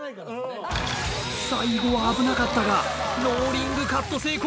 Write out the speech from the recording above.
最後は危なかったがローリングカット成功！